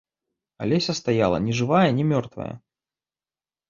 Алеся стаяла ні жывая ні мёртвая.